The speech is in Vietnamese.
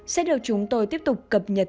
sẽ được chúng tôi tiếp tục cập nhật